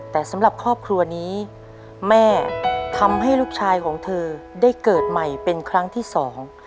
แต่สำหรับครอบครัวนี้แม่ทำให้ลูกชายของเธอได้เกิดใหม่เป็นครั้งที่สอง